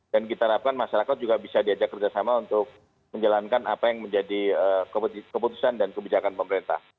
dan kita harapkan masyarakat juga bisa diajak kerjasama untuk menjalankan apa yang menjadi keputusan dan kebijakan pemerintah